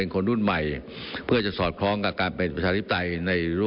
ออกไปทีมยุคคลับนระเยาศาสตร์